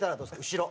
後ろ。